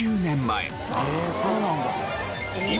えっそうなんだ。